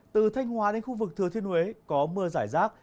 từ thanh hóa đến khu vực thừa thiên huế có mưa rải rác